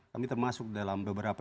kami termasuk dalam beberapa